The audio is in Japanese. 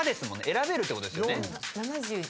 選べるってことですよね。